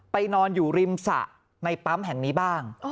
นอนอยู่ริมสระในปั๊มแห่งนี้บ้าง